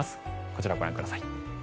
こちらをご覧ください。